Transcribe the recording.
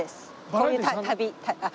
こういう旅。